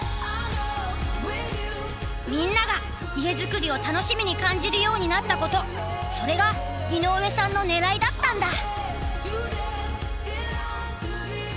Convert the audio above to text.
みんなが家づくりを楽しみに感じるようになったことそれが井上さんのねらいだったんだ。